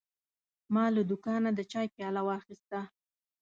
ما له دوکانه د چای پیاله واخیسته.